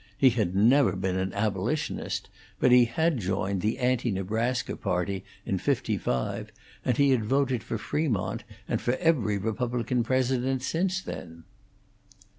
He had never been an Abolitionist, but he had joined the Anti Nebraska party in '55, and he had voted for Fremont and for every Republican President since then.